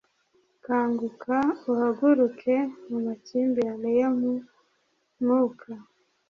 Kanguka, uhaguruke mu makimbirane yo mu mwuka,